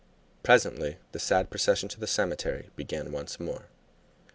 Presently the sad procession to the cemetery began once more.